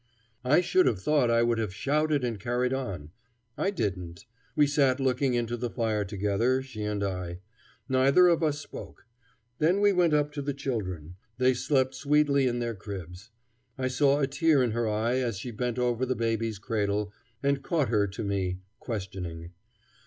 I should have thought I would have shouted and carried on. I didn't. We sat looking into the fire together, she and I. Neither of us spoke. Then we went up to the children. They slept sweetly in their cribs. I saw a tear in her eye as she bent over the baby's cradle, and caught her to me, questioning.